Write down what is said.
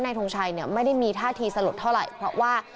ทงชัยเนี่ยไม่ได้มีท่าทีสลดเท่าไหร่เพราะว่า